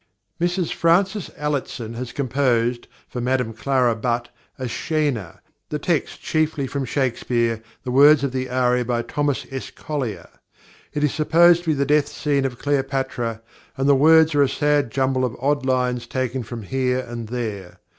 +Miss Frances Allitsen+ has composed for Madame Clara Butt a "Scena"; the text chiefly from Shakespeare, the words of the aria by Thomas S. Collier. It is supposed to be the death scene of Cleopatra, and the words are a sad jumble of odd lines taken from here and there.